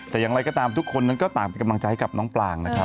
แต่อย่างไรก็ตามทุกคนนั้นก็ต่างเป็นกำลังใจให้กับน้องปลางนะครับ